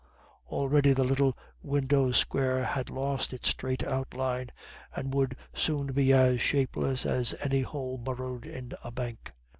Already the little window square had lost its straight outline, and would soon be as shapeless as any hole burrowed in a bank.